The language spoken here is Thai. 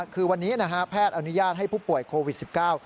คือวันนี้แพทย์อนุญาตให้ผู้ป่วยโควิด๑๙